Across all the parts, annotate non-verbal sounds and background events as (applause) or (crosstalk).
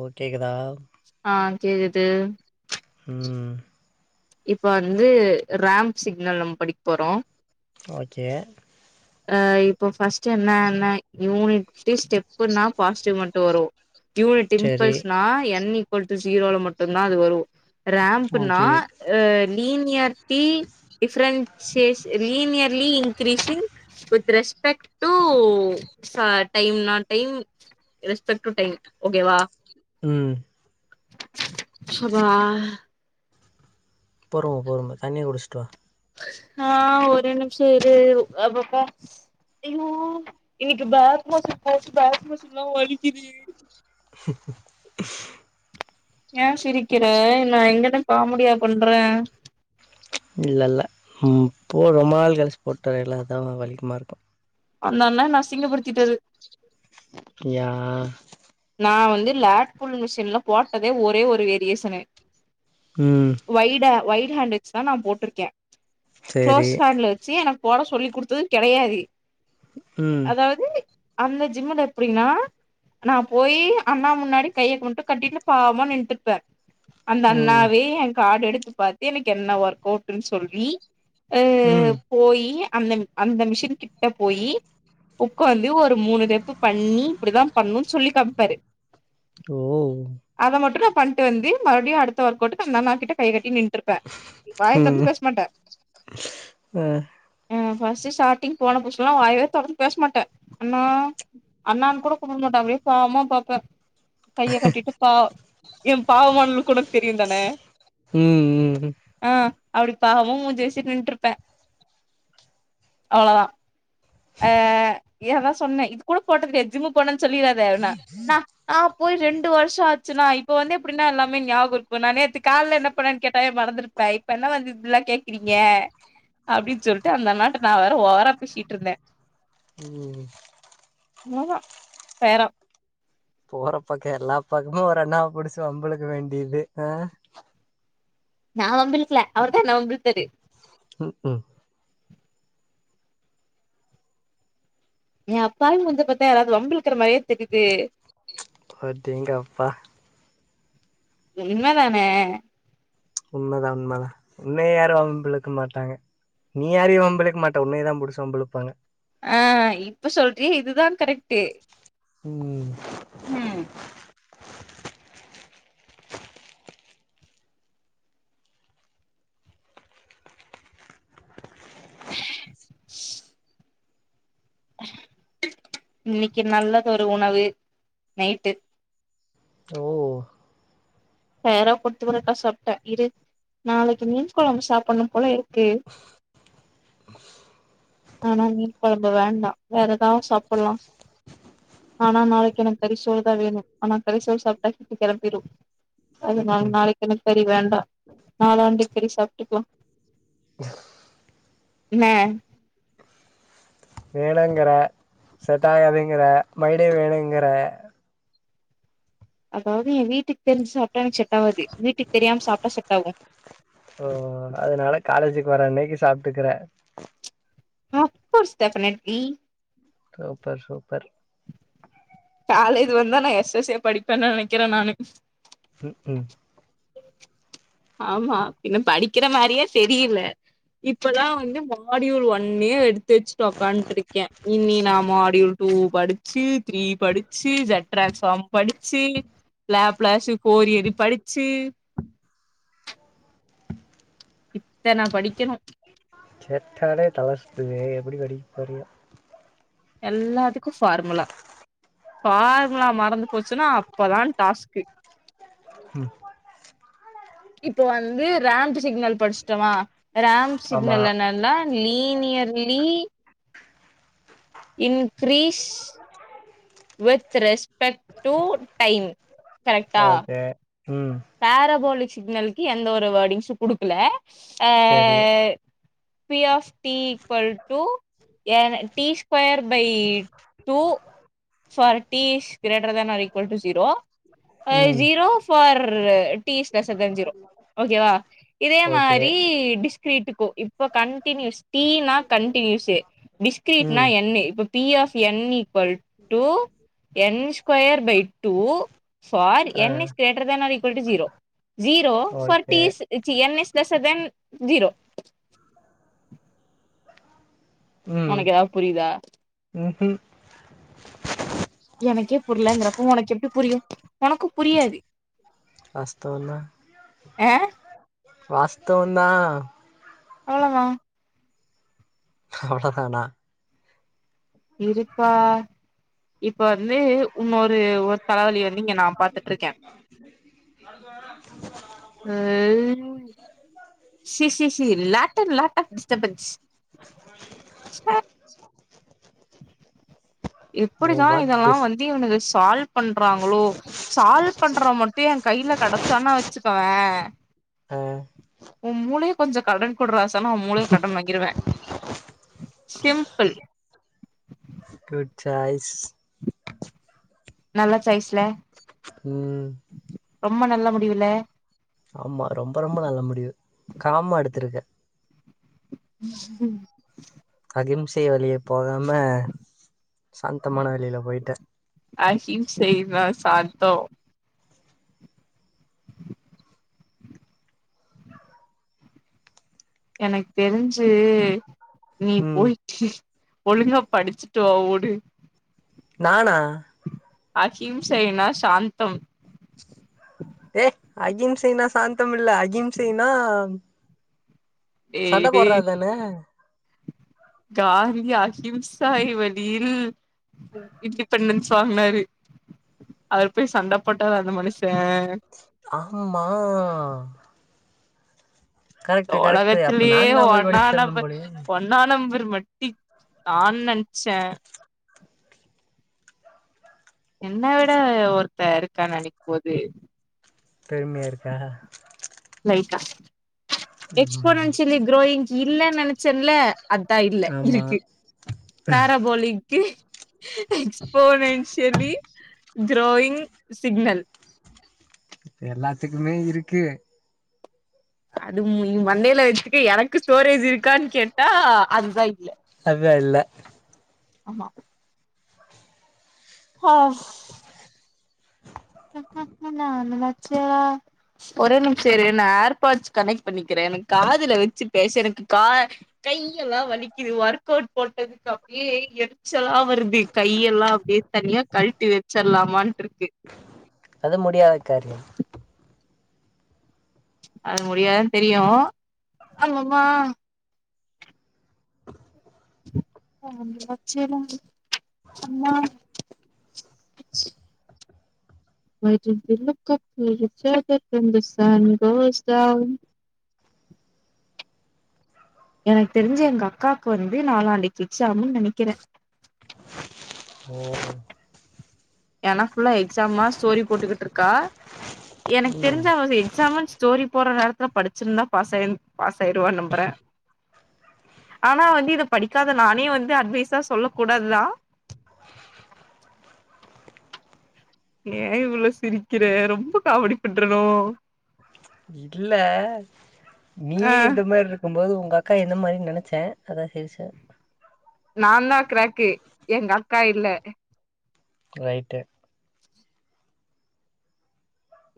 ஓ கேக்குதா ஆ கேக்குது ம் இப்ப வந்து ராம்ப் சிக்னல் நம் படிக் போறோ ஓகே அ இப்போ ஃபஸ்ட்டு என்னா என்ன யூனிட் ஸ்டு ஸ்டெப்புனா பாசிட்டிவ் மட்டு வரு யூனிட் செரி டிம்பிள்ஸ்னா என்னி ஈக்வோல்ட்டு சீரோல மட்டு தா அது வரு ரேம்புனா ஓகே அ linearity differences linearly increasing with respect ச டைம் நா டைம் ரெஸ்பெக்ட் டு டைம் ஓகேவா ம் சபா பொறும பொறும தண்ணிய குடிச்சுட்டு வா ஆ ஒரு நிம்ஷோ இரு அப்பப்பா ஐயோ இன்னைக்கு பேக் மஸூல் போட்டு பேக் மஸூல்லா வலிக்குது ஏன் சிரிக்கிற நா இங்கென்ன காமெடியா பண்ற இல்லல்ல ம் (unintelligible) ரொம்ப நாள் கழிச்சு போட்டு வரேல்ல அதான் வலிகமா இருக்கு அந்த அண்ணா என்ன அசிங்கப்படுத்திட்டாரு யா நா வந்து லேட்புல் மிஷின்ல போட்டதே ஒரே ஒரு வேரியேஷனு ம் வைய்டா வையிட் ஹேண்ட் வச்சுதா நா போட்ருக்கே க்ளோஸ் சேரி ஹேண்ட்ல வச்சி எனக்கு போட சொல்லி குடுத்தது கெடையாது ம் அதாவுது அந்த ஜிம்முல எப்டின்னா நா போயி அண்ணா முன்னாடி கைய கொண்ட்டு கட்டிட்டு பாவாம நின்ட்டுயிருப்ப அந்த ம் அண்ணாவே என் கார்டு எடுத்து பார்த்து எனக்கு என்ன ஒர்க் அவுட்டுன் சொல்லி அ ம் போயி அந்த அந்த மிஷின் கிட்ட போயி உக்காந்து ஒரு மூணு ரெப்பு பண்ணி இப்டித்தா பண்ணு சொல்லி காம்பாரு ஓ அத மட்டு நா பன்ட்டு வந்து மறுபடியு அடுத் த ஒர்க் அவுட்டுக்கு அந்த அண்ணா கிட்ட கை கட்டி நின்ட்டு இருப்பே வாயத் தொறந்து ம் பேஸ் மாட்ட அ ம் ஃபஸ்ட்டு ஸ்டாடிங் போன புதுசுல வாயவே தொறந்து பேசமாட்ட அண்ணா அண்ணான் கூட கூப்ட மாட்ட அப்டே நா பாப்பே கைய கட்டிட்டு பா என் பாவமான லுக் உனக் தெரியுந்தான ம் ம் ம் ஆ அப்டி பாவமா மூஞ்ச வசிட்டு நின்ட்டு இருப்பே அவ்வளோதா அ ஏ அதா சொன்னே இது கூட போட்டதுதில்லயா ஜிம்முக்கு போனன் சொல்லிறாத அப்டினா நா நா போய் ரெண்டு வர்ஷோ ஆச்சு நா இப்ப வந்து எப்டின்னா எல்லாமே ஞாபகோ இருக்கு நா நேத்து கால்ல என்ன பண்ணன் கேட்டாவே மறந்துடு இப்ப இப்ப என்ன வந்து இதுல்லா கேக்குறீங்க அப்டின்னு சொல்லிட்டு அந்த அண்ணாட்ட நா வேற ஓவரா பேசிட்டு இருந்தே ம் அவ்ளோதா ஃபேரா போற பக்கோ எல்லா பக்கமு ஒரு அண்ணா புடிச்சு வம்புளுக்க வேண்டியது ஆ நா வம்பிளுலுக்கல அவர் தா என்ன வம்பு இழுத்தாரு ம்ஹும் ஏ அப்பாவி மூஞ்ச பாத்தா யாராவ்து வம்பு இழுக்குற மாரிய தெரிது அடேங்கப்பா உண்ம தானே உண்மைதா உண்மைதா உன்னைய யாரு வம்பிழுக்க மாட்டாங்க நீ யாரையு வம்புழுக்க மாட்ட உன்னைய தா புடிச்சி வம்புழுபாங்க ஆ இப்ப சொல்றியா இதுதா கரெக்டு ம் ம் இன்னைக்கி நல்லதொரு உணவு நைட்டு ஓ சேரா கொத்து பரோட்டா ‌சாப்ட்டே இரு நாளைக்கி மீன் கொழம்பு சாப்புனு போல இருக்கு ஆனா ‌மீன் கொழம்பு வேண்டா வேற ஏதாவு சாப்புல்லா ஆனா நாளைக்கி எனக்கு கரிசோறு தா வேணு ஆனா கரிசோறு சாப்டா ஹீட்டு கெளம்பிடு ம் அதனால நா ம் நாளைக்கு என்க்கு கறி வேண்டா நாலாண்டை கறி சாப்ட்டுக்கலா இன்ன வேணாங்கிற செட்டாகாதுங்குற மைடே வேணுங்குற அதாவ்து எ வீட்டுக்கு தெரிஞ்சு சாப்டா எனக்கு செட் ஆவாது வீட்டுக்கு தெரியாம சாப்டா செட் ஆகு ஓ ஓ ஓ அதனால காலேஜுக்கு வர அன்னைக்கி சாப்ட்டுக்குற of course definitely super super college வந்துதா நா எஸ் எஸ் ஏ படிப்பேன் நெனைக்கிறே நானு ம் ஹும் ஆமா பின்ன படிக்கிற மாரியே தெரியில இப்ப தா வந்து மாடியூல் ஒன்னியே எடுத்து வச்சுட்டு உக்கான்ட்டு இருக்கே இனி நா மாடியூல் டூ படிச்சு த்ரீ படிச்சு ஜட்ரா சம் படிச்சு லேப்லாஸ்ஸு கோரியரீ படிச்சு இத்தன‌ படிக்கணு கேட்டாலே தலைசுத்துதே எப்டி படிக்கப்போறியோ எல்லாத்துக்கு ஃபார்முலா ஃபார்முலா மறந்து போச்சுன்னா அப்பதா டாஸ்க்கு ம் இப்ப வந்து ரேம்ட்டு சிக்னல் படிச்சிட்டமா ரேம் ஆமா சிக்னல்ல ந ன் னா லீ னீ ய லீ increase with respect to time okay ம் பேரபோலிக் சிக்னலுக்கு எந்த ஒரு வேர்டிங்ஸு குடுக்கல ஆ செரி B of D equal to N D square by two for tease greater than or equal to zero ம் zero for tea less than zero okay வா இதே ஓகே மாரி டிஸ்கிரீட்டுக்கு இப்ப கன்டினியூஸ் டீனா கன்டினியூஸு பிஸ்கிரிட்னா ம் என்னு இப்ப B of n equal to N square by two for ஆ n is greater than or equal to zero zero for okay teas C n is தசர்தன் zero ஒனக்கு எதாது புரிதா ஒனக்கு எனக்கே புரிலங்கறப்ப ஒனக்கு எப்டி புரியு ஒனக்கு புரியாது அஸ்தோ அல்லா ஆ வாஸ்த்து அல்லா அவ்ளதா அவ்ளதானா இருப்பா இப்ப வந்து இன்னொரு ஒரு தலவலி வந்து இங்க நா பாத்திட்ருக்கே நத (unintelligible) ம் சி சி சி லாப்டாப் லாப்டாப் டிஸ்டப்பன்ஸ் எ எப்டிதா வாட் இதெல்லா டிஸ் வந்து இவுனுங்க சால்வ் பண்றாங்ளோ சால்வ் பண்றவ மட்டு ஏ கைல கெடச்சான் வச்சுக்கவே ஆ ஊ மூளைய கொஞ்ச கடன் குடுறாசானு உ மூளைய கடன் வாங்கிருவே சிம்பிள் சாய்ஸ் நல்ல சாய்ஸ் இல்ல ம் ரொம்ப நல்ல முடிவுல‌ ஆமா ரொம்ப ரொம்ப நல்ல முடிவு காமா எடுத்திருக்க ம் அகிம்சை வழிய போகாம சாந்தமான வழியில பொயிட்ட அகிம்சை தா சாந்தோ எனக்கு தெரிஞ்சி நீ ம் போய் ஒழுங்கா படிச்சிட்டு வா ஓடு நானா அகிம்சைனா சாந்தம் ஏ அகிம்சைனா சாந்தம் இல்ல அகிம்சைனா சண்ட டேய் டேய் போட்றது தான காந்தி அகிம்சாயி வழியில் இண்டிபெண்டன்ஸ் வாங்கனாரு அவரு போயி சண்ட போட்டாரா அந்த மனுஷே ஆம்மா கரெக்ட் அப்ப ஒலகத்தலயே நான் தான் போய் ஒன்னா படிச்சுட்டு வந்தேன் நம்பர் போலயே ஒண்ண நம்பர் மட்டி தா நெனச்சே என்ன விட ஒருத்த இருக்கான்னு நெனைக்கு போது பெருமையா இருக்கா லைட்டா எக்ஸ்போ ம், நன்ஸ் இல்ல க்ரோயிங் இல்லைனு நெனச் செல்ல அதா இல்ல ஆமா இருக்கு பேராபோலிங் எக்ஸ்போனன்ஷியலி க்ரோயிங் சிக்னல் இப்ப எல்லாத்துக்குமே இருக்கு அது மண்டைல வெச்சிட்டு எனக்கு ஸ்டோரேஜ் இருக்கானு கேட்டா அதுதா இல்ல அதா இல்ல ஆம்மா ஆஃப் (unintelligible) (unintelligible) ஒரு நிமிஷ இரு நா ஏர்பாட்ஸ் கனெக்ட் பண்ணிக்கிறே எனக் காதுல வெச்சு பேச எனக்கு கா கைய்யல்லா வலிக்குது ஒர்க் அவுட் போட்டதுக்கு அப்டியே எரிச்சலா வருது கையெல்லா அப்டே தனியா கழ்ட்டி வெச்சர்லாமான்ட்டிருக்கு அது முடியாதுக்கா அது முடியாதுனு தெரியு அம்மம்மா (inaudible) (inaudible) எனக் தெரிஞ் எங்கக்காக்கு வந்து நாலானைக் எக்ஸாம்ன்னு நெனைக்கிறே ம் எனக் ஃபுல்லா எக்ஸாமா ஸ்டோரி போட்டுகிட்டு இருக்கா எனக் ம் தெரிஞ்சு அவ எக்ஸாம ஸ்டோரி போற நேரத்துல படிச்சிருந்தா பாஸ் ஆயி பாஸ் ஆயிருவானு நம்பறே ஆனா வந்து இத படிக்காத நானே வந்து அட்வைஸா சொல்ல கூடாதுதா ஏ இவ்ளோ சிரிக்கிற ரொம்ப காமெடி பண்றனோ இல்ல ஆ நீயே இந்த மாரி இரு க்குபோது உங்கக்கா எந்த மாரின்னு நெனச்சே அதா சிரிச்சே நாதா கிராக்கு எங்கக்கா இல்ல ரைட்டு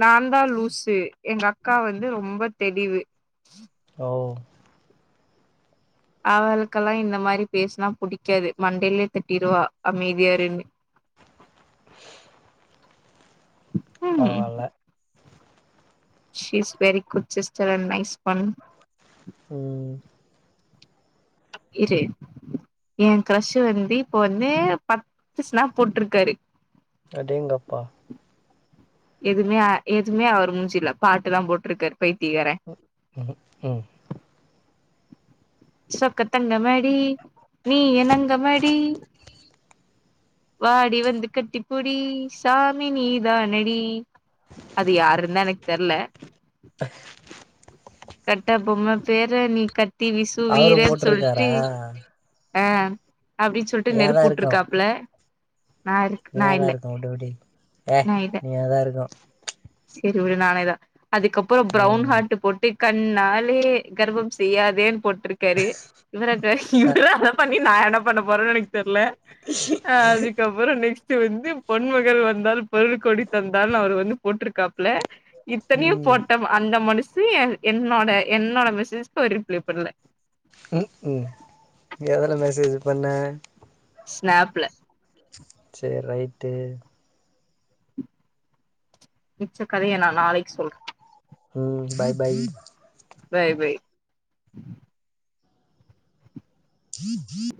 நாதா லூசு எங்கக்கா வந்து ரொம்ப தெளிவு ஓ அவளுக்கெல்லா இந்த மாரி பேசுனா புடிக்காது மண்டைலயே தட்டிருவா அமைதியா இருன்னு பரவால்ல cheese very good sister and nice one ம் இரு ஏ க்ரஷ் வந்து இப்போ வந்து பத்து ஸ்னாப் போட்ருக்காரு அடேங்கப்பா எதுமே எதுவுமே அவர் முஞ்சில பாட்டுல்லா போட்டிருக்காரு பைத்தீகற ம் ம் ம் சொக்கதங்கமடி நீ என் தங்கமடி வாடி வந்து கட்டிபுடி சாமி நீ தானடி அது யாருனுதா எனக்கு தெரில (inaudible) கட்ட பொம்மை பேரை நீ கத்தி விசு அவரு வீரன்னு சொல்லிட்டு போட்ருக்காரா அ அப்டின்னு சொல்லிட்டு நீயாதா நெருப்பு உட்டுருக்காப்புல நீய தா இருக்கு விட்டுபுடி ஏ நீய தா இருக்கு சேரி விடு நானேதா அதுக்கப்புற ப்ரௌன் ம் ஹார்ட் போட்டு கண்ணாலே கர்வம் செய்யாதேன்னு போட்ருக்கு இருக்காரு இவ இருக்க இவ அ (unintelligible) அதை (unintelligible) பண்ணி நான் என்ன பண்ண போறேன்னு எனக்கு தெரியல அதுக்கப்புற நெக்ஸ்ட் வந்து பொன்மகள் வந்தால் பொருள் கோடி தந்தால்னு அவர் வந்து இருக்காப்புல இத்தனையு ம் போட்டா அந்த மனுசு என்னோட என்னோட மெசேஜ்க ரிப்ளை பண்ணல ம் ம் எதுல மெசேஜ் பண்ண ஸ்நாப்ல சேரி ரைட்டு மிச்ச கதைய நா நாளைக்கு சொல்றே ம் பாய் பாய் பாய் பாய் (inaudible)